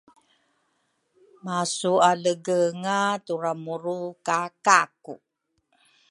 masualegenga turamuru ka Kaku.